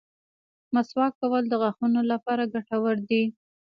مسواک کول د غاښونو لپاره ګټور دي.